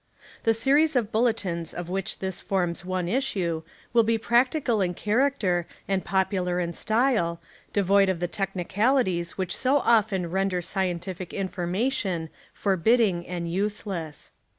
The series of bulletins of which this forms one issue will be practical in character and popular in style, devoid of the technicali ties wliich so often render scientific infor mation forbidding and useless.